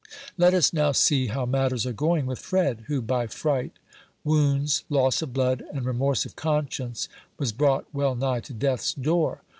Let us now see how matters are going with Fred, who, by fright, wounds, loss of blood, and remorse of conscience, was brought well nigh to death's door.